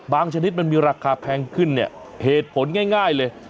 ชนิดมันมีราคาแพงขึ้นเนี่ยเหตุผลง่ายเลย